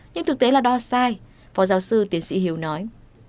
nhưng thực tế là đo sai phó giáo sư tiến sĩ hiếu nói